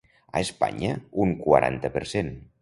A Espanya un quaranta per cent.